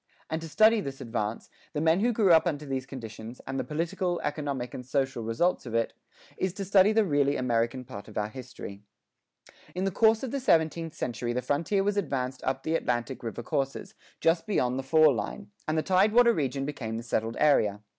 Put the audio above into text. And to study this advance, the men who grew up under these conditions, and the political, economic, and social results of it, is to study the really American part of our history. In the course of the seventeenth century the frontier was advanced up the Atlantic river courses, just beyond the "fall line," and the tidewater region became the settled area.